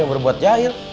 yang mau berbuat jahil